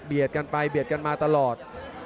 เบียดกันไปเบียดกันมาตลอด